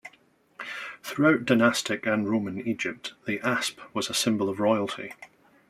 Throughout dynastic and Roman Egypt, the asp was a symbol of royalty.